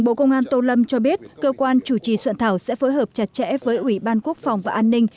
bộ công an tô lâm cho biết cơ quan chủ trì soạn thảo sẽ phối hợp chặt chẽ với ủy ban quốc phòng và an ninh